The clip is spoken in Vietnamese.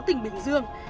tỉnh bình dương